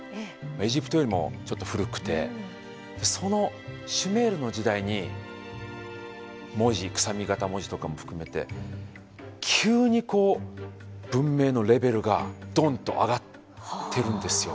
エジプトよりもちょっと古くてそのシュメールの時代に文字くさび形文字とかも含めて急にこう文明のレベルがドンッと上がってるんですよ。